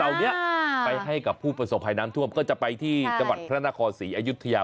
ละวายนี้ไปให้กับผู้ประสบภัยน้ำถ้วมก็จะไปที่จังหวัดพระราณนครสี่อะยุธยาม